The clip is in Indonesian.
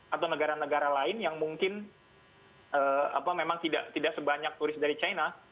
atau negara negara lain yang mungkin memang tidak sebanyak turis dari china